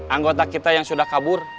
anggota kita yang sudah kabur